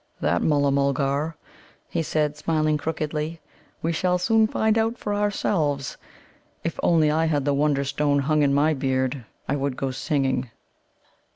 "That, Mulla mulgar," he said, smiling crookedly, "we shall soon find out for ourselves. If only I had the Wonderstone hung in my beard, I should go singing."